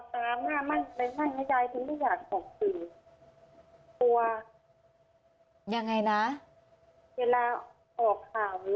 ต่างมั่นให้ยายไม่อยากขอถึงตัวยังไงนะเวลาออกข่าวนี้